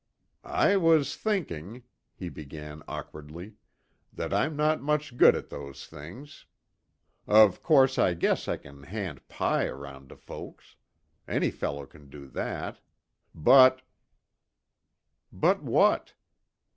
"I was thinking," he began awkwardly, "that I'm not much good at those things. Of course I guess I can hand pie round to the folks; any fellow can do that. But " "But what?"